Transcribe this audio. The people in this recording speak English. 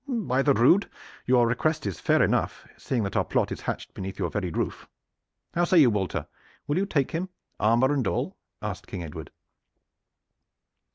"By the rood! your request is fair enough, seeing that our plot is hatched beneath your very roof. How say you, Walter? Will you take him, armor and all?" asked King Edward.